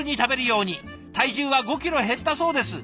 体重は５キロ減ったそうです。